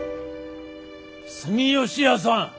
・住吉屋さん